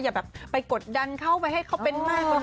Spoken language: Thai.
อย่าแบบไปกดดันเขาไปให้เขาเป็นมากกว่านี้